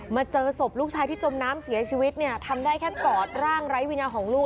เจอศพลูกชายที่จมน้ำเสียชีวิตเนี่ยทำได้แค่กอดร่างไร้วิญญาณของลูก